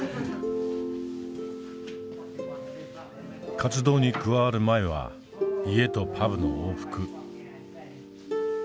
活動に加わる前は家とパブの往復。